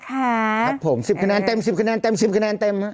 ครับผม๑๐คะแนนเต็ม๑๐คะแนนเต็ม๑๐คะแนนเต็มครับ